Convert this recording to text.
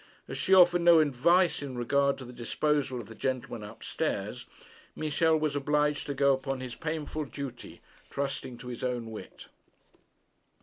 As she offered no advice in regard to the disposal of the gentleman up stairs, Michel was obliged to go upon his painful duty, trusting to his own wit.